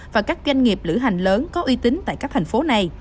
và các doanh nghiệp lữ hành lớn có uy tín tại các thành phố này